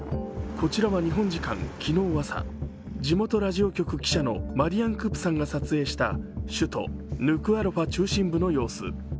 こちらは日本時間昨日朝、地元ラジオ局記者のマリアン・クプさんが撮影した首都ヌクアロファ中心部の様子。